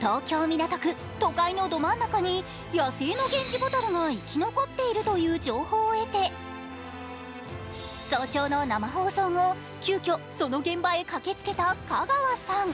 東京・港区、都会のど真ん中に野生のゲンジボタルが生き残っているという情報を得て早朝の生放送後、急きょその現場へ駆けつけた香川さん。